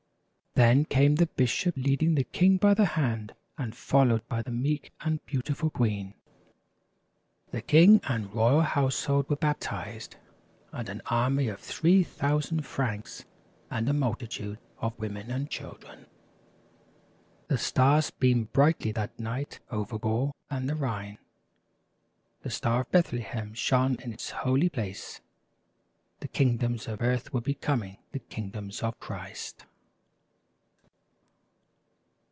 Then came the bishop leading the king by the hand and followed by the meek and beautiful queen. The king and royal household were baptized, and an army of three thou sand Franks, and a multitude of women and children. The stars beamed brightly that night over Gaul and the Rhine. The Star of Bethlehem shone in its holy place. The kingdoms of earth were becoming the kingdoms of Christ.